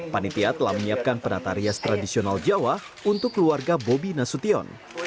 panitia telah menyiapkan penata rias tradisional jawa untuk keluarga bobi nasution